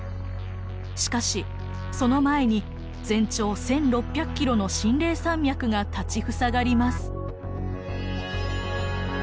しかしその前に全長１，６００キロの秦嶺山脈が立ち塞がります。